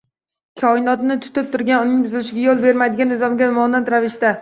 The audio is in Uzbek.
Koinotni tutib turgan, uning buzilishiga yo‘l bermaydigan nizomga monand ravishda